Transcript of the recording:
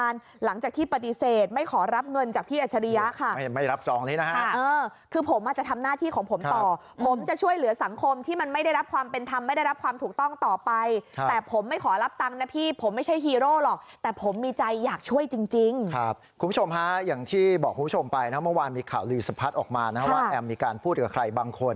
เราจะเอาไว้แล้วก่อนนะครับใช่